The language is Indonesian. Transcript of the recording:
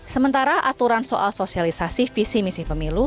sementara aturan soal sosialisasi visi misi pemilu